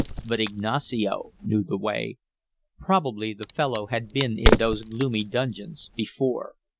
But Ignacio knew the way probably the fellow had been in those gloomy dungeons before.